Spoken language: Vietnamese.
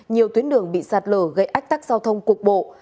nhiều tuyến đường bị sạt lở gây ách tắc giao thông cục bộ